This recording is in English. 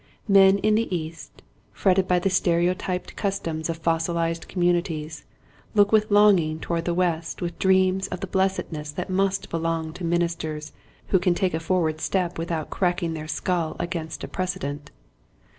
Men in the East, fretted by the stereo typed customs of fossilized communities, look with longing toward the West with dreams of the blessedness that must belong to ministers who can take a forward step without cracking their skull against a prece dent.